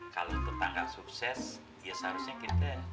kalau tetangga sukses ya seharusnya kita